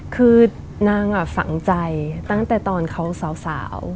คือนางฝังใจตั้งแต่ตอนเขาสาว